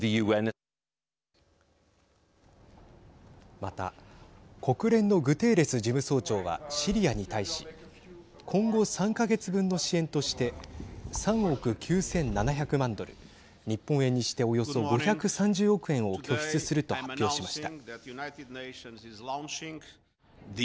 また国連のグテーレス事務総長はシリアに対し今後３か月分の支援として３億９７００万ドル日本円にしておよそ５３０億円を拠出すると発表しました。